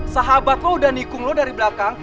sahabat lo dan nikung lo dari belakang